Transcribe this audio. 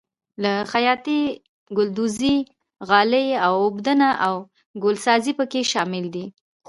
لکه خیاطي ګلدوزي غالۍ اوبدنه او ګلسازي پکې شامل دي.